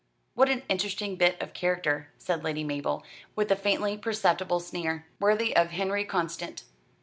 "What an interesting bit of character," said Lady Mabel, with a faintly perceptible sneer. "Worthy of Henri Constant."